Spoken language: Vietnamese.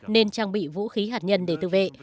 nên trang bị vũ khí hạt nhân để tự vệ